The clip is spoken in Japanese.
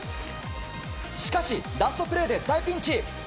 しかし、ラストプレーで大ピンチ。